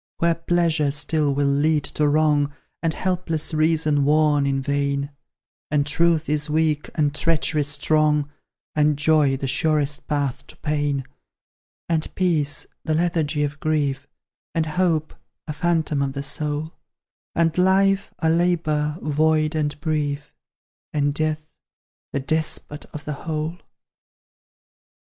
Where Pleasure still will lead to wrong, And helpless Reason warn in vain; And Truth is weak, and Treachery strong; And Joy the surest path to Pain; And Peace, the lethargy of Grief; And Hope, a phantom of the soul; And life, a labour, void and brief; And Death, the despot of the whole!